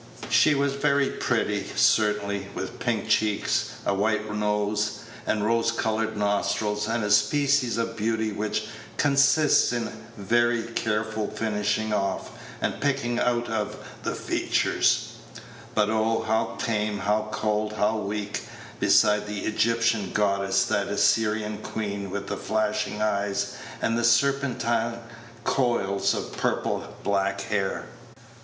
She was very pretty, certainly, with pink cheeks, a white nose, and rose colored nostrils, and a species of beauty which consists in very careful finishing off and picking out of the features; but oh, how tame, how cold, how weak, beside that Egyptian goddess, that Assyrian queen with the flashing eyes and the serpentine coils of purple black hair!